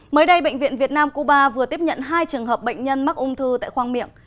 mới đây bệnh viện việt nam cuba vừa tiếp nhận hai trường hợp bệnh nhân mắc ung thư tại khoang miệng